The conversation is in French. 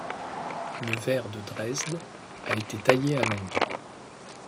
Le Vert de Dresde a été taillé à Londres.